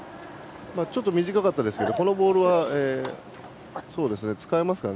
ちょっと短かったですけどこのボールは使えますから。